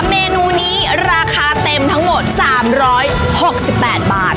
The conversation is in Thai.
เมนูนี้ราคาเต็มทั้งหมด๓๖๘บาท